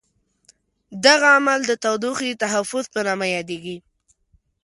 دغه عمل د تودوخې تحفظ په نامه یادیږي.